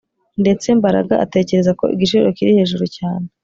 Ndetse Mbaraga atekereza ko igiciro kiri hejuru cyane